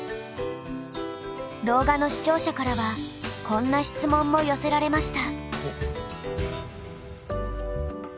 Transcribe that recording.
動画の視聴者からはこんな質問も寄せられました。